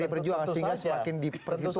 di pd perjuangan sehingga semakin diperhitungkan